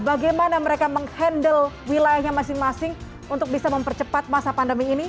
bagaimana mereka menghandle wilayahnya masing masing untuk bisa mempercepat masa pandemi ini